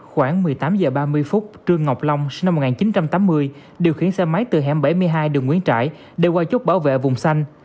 khoảng một mươi tám h ba mươi trương ngọc long sinh năm một nghìn chín trăm tám mươi điều khiển xe máy từ hẻm bảy mươi hai đường nguyễn trãi để qua chốt bảo vệ vùng xanh